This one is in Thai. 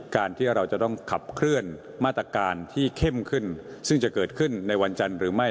การที่เราจะต้องขับเคลื่อนมาตรการที่เข้มขึ้นซึ่งจะเกิดขึ้นในวันจันทร์หรือไม่